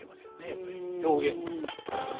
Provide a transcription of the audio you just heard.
やっぱり表現の。